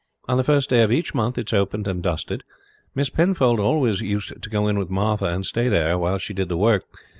On the first day of each month it is opened and dusted. Miss Penfold always used to go in with Martha and stay there while she did the work.